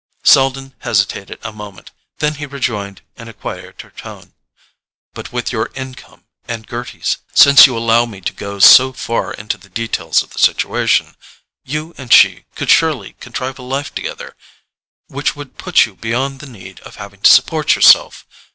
Selden hesitated a moment; then he rejoined in a quieter tone: "But with your income and Gerty's—since you allow me to go so far into the details of the situation—you and she could surely contrive a life together which would put you beyond the need of having to support yourself.